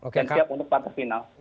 dan siap untuk part final